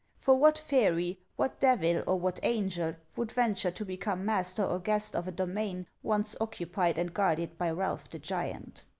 For what fairy, what devil, or what angel would venture to become master or guest of a domain once occupied and guarded by Ralph the Giant